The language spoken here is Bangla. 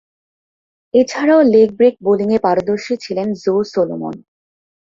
এছাড়াও লেগ ব্রেক বোলিংয়ে পারদর্শী ছিলেন জো সলোমন।